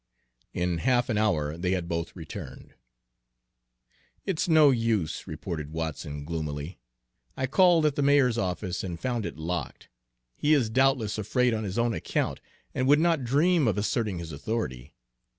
In half an hour they had both returned. "It's no use," reported Watson gloomily. "I called at the mayor's office and found it locked. He is doubtless afraid on his own account, and would not dream of asserting his authority.